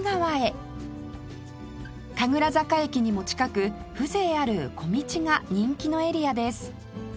神楽坂駅にも近く風情ある小路が人気のエリアです